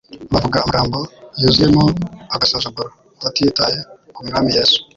bavuga amagambo yuzuyemo agasuzuguro, batitaye ku Mwami Yesu.